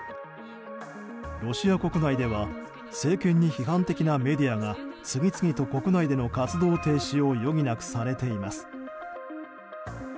ロシア国内では政権に批判的なメディアが次々と国内での活動停止を余儀なくされています。